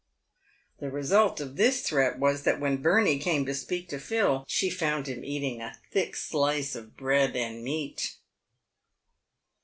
The result of this threat was, that when Bertie came to speak to Phil, she found him eating a thick slice of bread and meat.